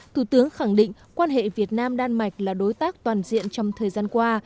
thủ tướng khẳng định quan hệ việt nam đan mạch là đối tác toàn diện trong thời gian qua